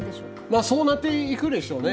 そうなっていくでしょうね。